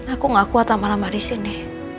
aku gak kuat lama lama disini